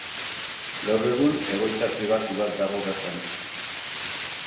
Gaur egun egoitza pribatu bat dago bertan.